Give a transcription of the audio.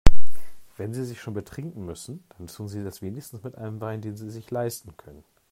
Wenn Sie sich schon betrinken müssen, dann tun Sie das wenigstens mit einem Wein, den Sie sich leisten können.